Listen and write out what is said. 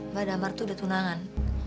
mbak damar tuh udah tunangan